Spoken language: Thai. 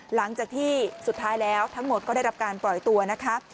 หลังจากที่สุดท้ายแล้วทั้งหมดก็ได้รับการปล่อยตัวนะคะ